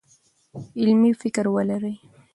علمي فکر ولرئ.